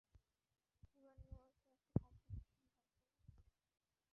ওরা নিউইয়র্কে একটা কম্পিটিশনে অংশ নেবে।